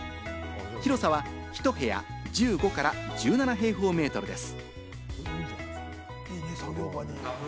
広さはひと部屋１５から１７平方メートルです。